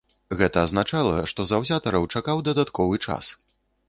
Гэта азначала, што заўзятараў чакаў дадатковы час.